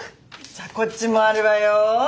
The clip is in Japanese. じゃあこっちもあるわよ。